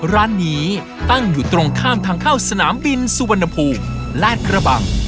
ร้านนี้ตั้งอยู่ตรงข้ามทางเข้าสนามบินสุวรรณภูมิลาดกระบัง